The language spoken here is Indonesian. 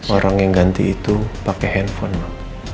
orang yang ganti itu pakai handphone pak